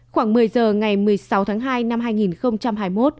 khoảng một mươi giờ ngày một mươi sáu tháng hai năm hai nghìn hai mươi một